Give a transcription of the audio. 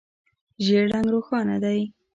ژېړ رنګ روښانه دی.